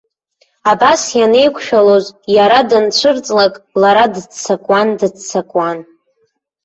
Абас ианеиқәшәалоз, иара данцәырҵлак, лара дыццакуан, дыццакуан.